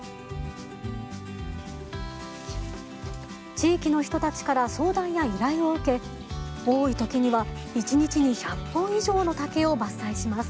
地域の人たちから相談や依頼を受け多い時には一日に１００本以上の竹を伐採します。